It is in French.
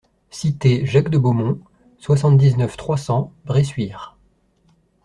Cité Jacques de Beaumont, soixante-dix-neuf, trois cents Bressuire